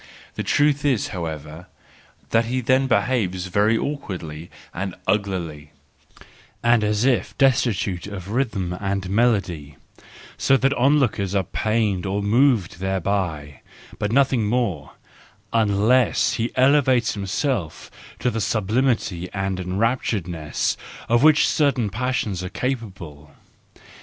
The truth is, however, that he then behaves very awkwardly and uglily, and as if destitute of rhythm and melody; so that onlookers are pained or moved thereby, but nothing more —unless he elevate himself to the sublimity and enrapturedness of which certain passions are capable.